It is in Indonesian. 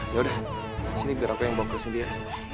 ya udah sini aku yang bawa ke sintia